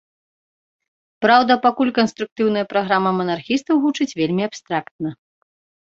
Праўда, пакуль канструктыўная праграма манархістаў гучыць вельмі абстрактна.